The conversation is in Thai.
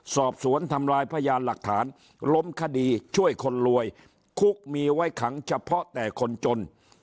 สอบสวนทำลายพยานหลักฐานล้มคดีช่วยคนรวยคุกมีไว้ขังเฉพาะแต่คนจน